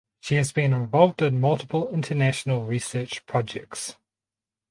She has been involved in multiple international research projects.